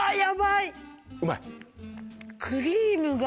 うまい？